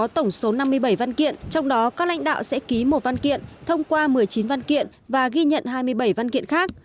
trong đó các lãnh đạo sẽ ký một văn kiện thông qua một mươi chín văn kiện và ghi nhận hai mươi bảy văn kiện khác